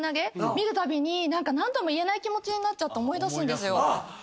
見るたびに何ともいえない気持ちになっちゃって思い出すんですよ。